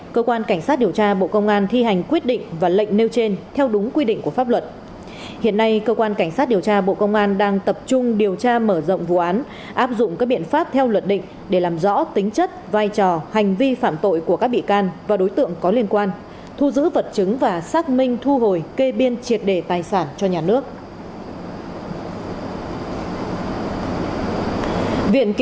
cơ quan cảnh sát điều tra bộ công an đã ra quyết định bổ sung quyết định khởi tố bị can bùi quang huy về tội rửa tiền